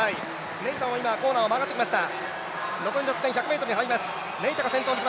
ネイタも今、コーナーを回ってきました。